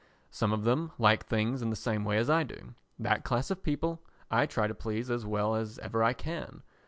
Some of them like things in the same way as I do; that class of people I try to please as well as ever I can.